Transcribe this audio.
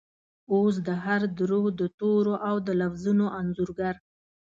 اوس د هردور دتورو ،اودلفظونو انځورګر،